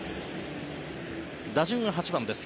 打順は８番です。